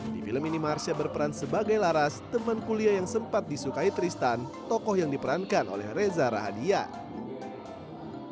di film ini marsha berperan sebagai laras teman kuliah yang sempat disukai tristan tokoh yang diperankan oleh reza rahadian